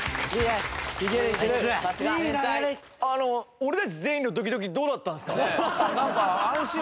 俺たち全員のドキドキどうなったんすかね？